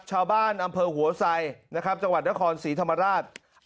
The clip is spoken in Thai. อำเภอหัวไซนะครับจังหวัดนครศรีธรรมราช